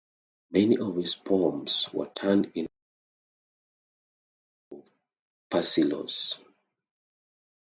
Many of his poems were turned into the lyrics of "pasillos".